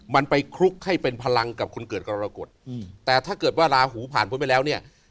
มันไปคลุกให้เป็นพลังกับคนเกิดกรกฎแต่ถ้าเกิดว่าราหูผ่านพ้นไปแล้วเนี่ย